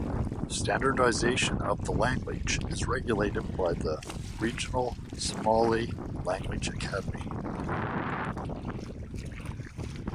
Standardization of the language is regulated by the Regional Somali Language Academy.